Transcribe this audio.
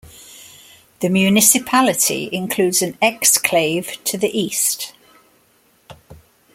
The municipality includes an exclave to the east.